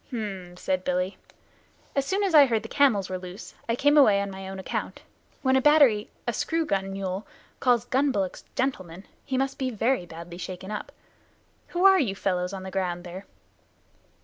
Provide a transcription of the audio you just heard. "H'm!" said Billy. "As soon as I heard the camels were loose I came away on my own account. When a battery a screw gun mule calls gun bullocks gentlemen, he must be very badly shaken up. Who are you fellows on the ground there?"